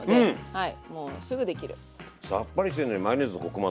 はい。